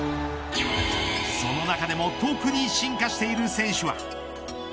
その中でも特に進化している選手は。